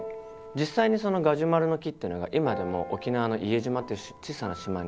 実際にそのガジュマルの木っていうのが今でも沖縄の伊江島っていう小さな島に残ってるんですね。